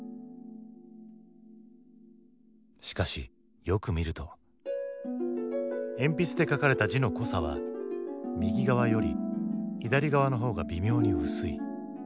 しかしよく見ると鉛筆で書かれた字の濃さは右側より左側の方が微妙に薄い。